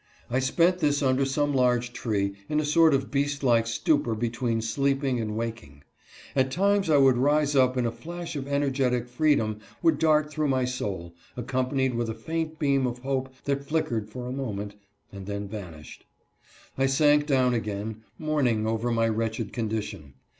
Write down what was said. I spent this under some large tree, in a sort of beast like stupor between sleeping and waking. At times I would rise up and a flash of energetic freedom would dart through my soul, accom panied with a faint beam of hope that flickered for a moment, and then vanished. I sank down again, mourn ing over my wretched condition.